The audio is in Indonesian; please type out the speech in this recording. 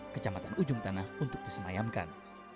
kecamatan ujung tanah untuk disemayamkan